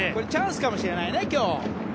チャンスかもしれないね、今日。